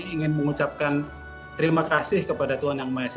ingin mengucapkan terima kasih kepada tuhan yang maha esa